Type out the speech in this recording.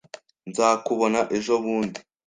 Nzakubona ejobundi.